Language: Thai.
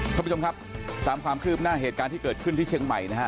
ท่านผู้ชมครับตามความคืบหน้าเหตุการณ์ที่เกิดขึ้นที่เชียงใหม่นะฮะ